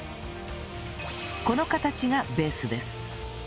この形がベースです